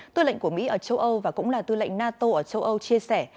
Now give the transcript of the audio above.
tư lệnh của mỹ ở châu âu và cũng là tư lệnh nato ở châu âu chia sẻ